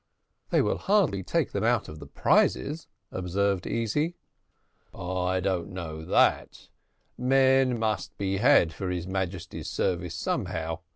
"They will hardly take them out of the prizes," observed Easy. "I don't know that; men must be had for his Majesty's service somehow.